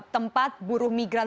tempat buruh migran